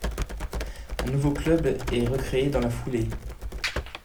Un nouveau club est recréé dans la foulée.